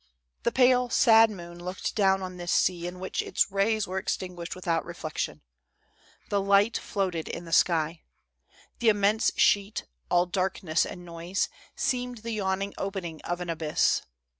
The pale, sad moon looked down on this sea in Avhich its rays were extinguished without reflection. The light floated in the sky. The immense sheet, all darkness and noise, seemed the yawning opening of an abyss.